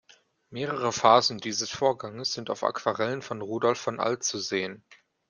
Mehrere Phasen dieses Vorganges sind auf Aquarellen von Rudolf von Alt zu sehen.